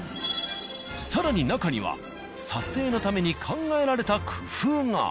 更に中には撮影のために考えられた工夫が。